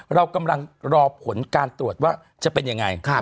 เรากำลังรอผลการตรวจว่าจะเป็นยังไง